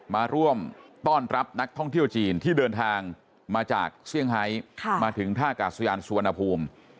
มาร่วมต้อนรับนักท่องเที่ยวจีนที่เดินทางมาจากเซี่ยงไฮมาถึงท่ากาศยานสุวรรณภูมิ